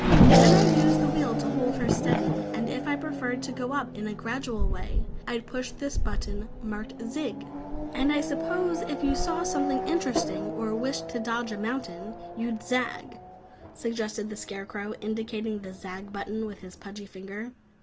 Then I'd use the wheel to hold her steady, and if I preferred to go up in a gradual way, I'd push this button marked 'zig.'" "And I suppose if you saw something interesting, or wished to dodge a mountain, you'd 'zag,'" suggested the Scarecrow, indicating the "zag" button with his pudgy finger.